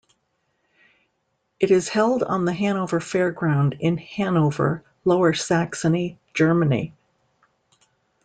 It is held on the Hanover Fairground in Hanover, Lower Saxony, Germany.